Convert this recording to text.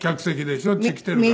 しょっちゅう来ているから。